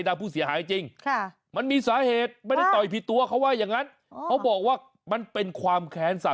น่าจะมต้นเหรอนะคะ